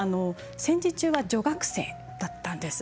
戦時中は女学生だったんです。